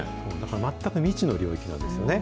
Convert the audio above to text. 全く未知の領域なんですよね。